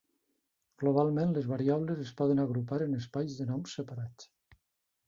Globalment, les variables es poden agrupar en espais de noms separats.